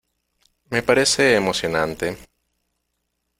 me parece emocionante.